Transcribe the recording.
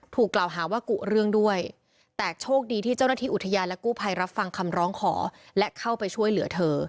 ถูกกล่าวหาว่ากุเรื่องด้วยแต่โชคดีที่เจ้าหน้าที่อุทยานและกู้ภัยรับฟังคำร้องขอและเข้าไปช่วยเหลือเธอ